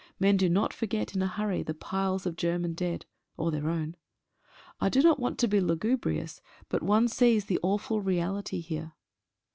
Men do not forget in a hurry the piles of German dead, or their own. I do not want to be lugubrious, but one sees the awful reality here.